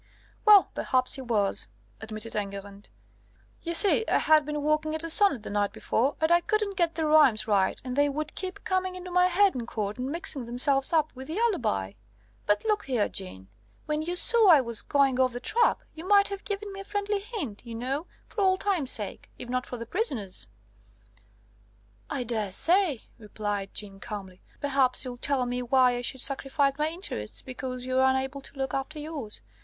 "Well, perhaps he was," admitted Enguerrand. "You see, I had been working at a sonnet the night before, and I couldn't get the rhymes right, and they would keep coming into my head in court and mixing themselves up with the alibi. But look here, Jeanne, when you saw I was going off the track, you might have given me a friendly hint, you know for old times' sake, if not for the prisoner's!" "I daresay," replied Jeanne calmly: "perhaps you'll tell me why I should sacrifice my interests because you're unable to look after yours.